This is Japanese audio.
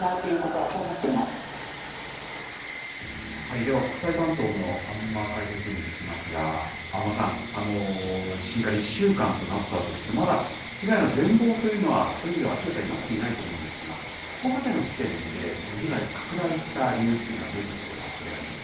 では、国際担当の安間解説委員に聞きますが、安間さん、地震から１週間となったわけですけど、まだ被害の全貌というのは、そういう意味では明らかになっていないと思うんですが、ここまでの時点で、この被害が拡大した理由というのはどういったことが挙げられます